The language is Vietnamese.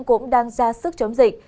cũng đang ra sức chống dịch